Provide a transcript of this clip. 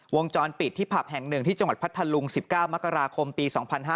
วงจรปิดที่ผับแห่ง๑ที่จังหวัดพัทธลุง๑๙มกราคมปี๒๕๕๙